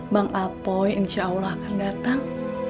bang apoi insyaallah akan datang